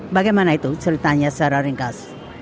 bagaimana itu ceritanya secara ringkas